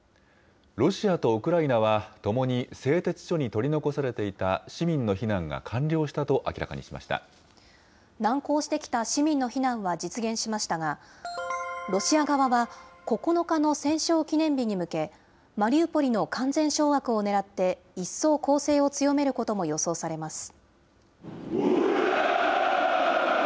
ロシアとウクライナは、ともに製鉄所に取り残されていた市民の避難が完了したと明らかに難航してきた市民の避難は実現しましたが、ロシア側は、９日の戦勝記念日に向け、マリウポリの完全掌握をねらって、一層攻勢を強めることも予想されます。